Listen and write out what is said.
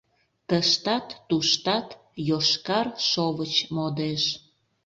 Тыштат-туштат йошкар шовыч модеш.